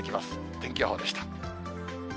天気予報でした。